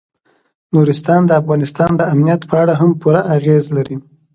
نورستان د افغانستان د امنیت په اړه هم پوره اغېز لري.